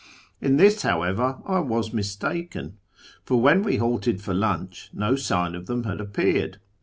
In this, however, I was mistaken ; for when we halted for lunch, no sign of them had appeared.